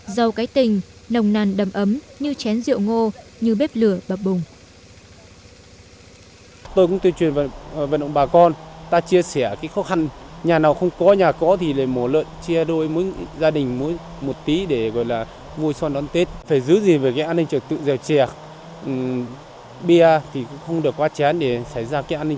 dâu cái tình nồng nàn đầm ấm như chén rượu ngô như bếp lửa bập bùng